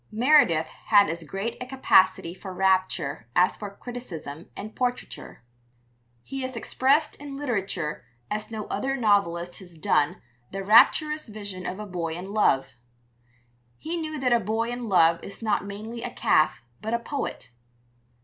Meredith had as great a capacity for rapture as for criticism and portraiture. He has expressed in literature as no other novelist has done the rapturous vision of a boy in love. He knew that a boy in love is not mainly a calf but a poet.